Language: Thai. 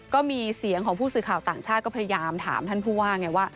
ก็มีเสียงของผู้สื่อข่าวต่างชาติก็พยายามถามท่านผู้ว่าไงว่า